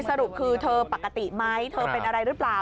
สรุปคือเธอปกติไหมเธอเป็นอะไรหรือเปล่า